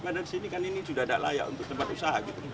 karena di sini kan ini sudah tidak layak untuk tempat usaha